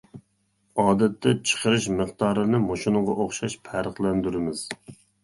ئادەتتە چىقىرىش مىقدارىنى مۇشۇنىڭغا ئوخشاش پەرقلەندۈرىمىز.